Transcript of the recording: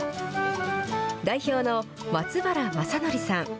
代表の松原正典さん。